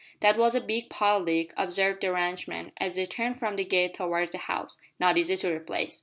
'" "That was a big pile, Dick," observed the ranchman, as they turned from the gate towards the house, "not easy to replace."